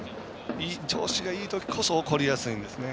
調子がいいときこそ起こりやすいんですね。